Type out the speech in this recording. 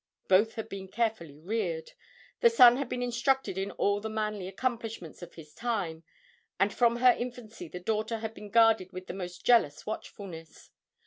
Both had been carefully reared. The son had been instructed in all the manly accomplishments of the time, and from her infancy the daughter had been guarded with the most jealous watchfulness.